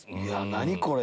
何これ！